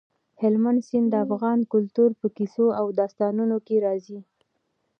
هلمند سیند د افغان کلتور په کیسو او داستانونو کې راځي.